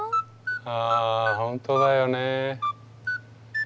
あ本当だよね。